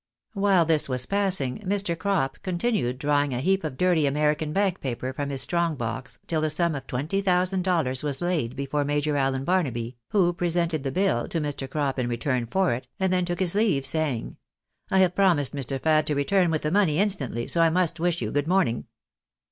While this was passing, Mr. Crop continued drawing a heap of dirty American bank paper from his strong box till the sum of twenty thousand dollars was laid before Major Allen Barnaby, who presented the bill to ^Nlr. Crop in return for it, and then took his leave, saying, " I have promised Mr. Fad to return with the money instantly, so I must wish you good morning."